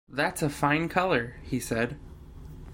“That’s a fine colour!” he said.